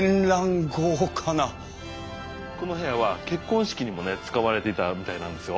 この部屋は結婚式にもね使われていたみたいなんですよ。